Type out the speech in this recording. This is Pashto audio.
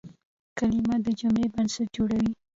کلیمه د جملې بنسټ جوړوي.